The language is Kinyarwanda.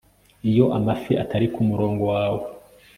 iyo amafi atari kumurongo wawe